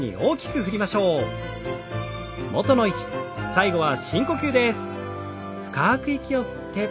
最後は深呼吸です。